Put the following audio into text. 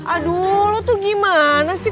aduh lo tuh gimana sih